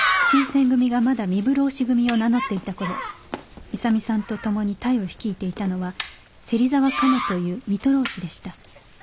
新選組がまだ壬生浪士組を名乗っていた頃勇さんとともに隊を率いていたのは芹沢鴨という水戸浪士でした。